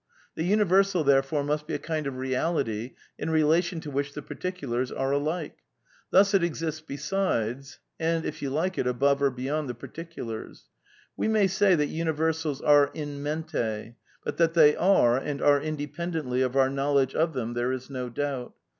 The uni Tersal, therefore, must be a kind of reality in relation to which the pcirticulars are ^ alike.' Thus it exists beside, and, if you like it, above or beyond the particulars.*' ..." We may say that imiversals are 'in mente/ but that they are and are independ ently of our knowledge of them there is no doubt.